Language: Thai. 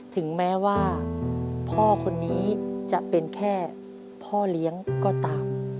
ถึงแม้ว่าพ่อคนนี้จะเป็นแค่พ่อเลี้ยงก็ตาม